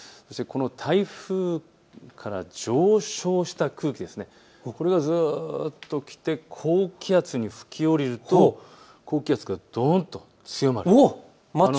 台風から上昇した空気、これがずっと来て高気圧に吹き降りると高気圧がどんと強まる。